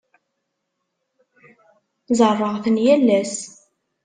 Ẓerreɣ-ten yal ass.